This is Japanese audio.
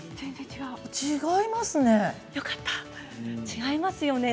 違いますね。